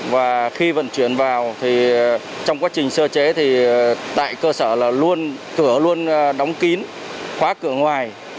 và khi vận chuyển vào thì trong quá trình sơ chế thì tại cơ sở là luôn cửa luôn đóng kín khóa cửa ngoài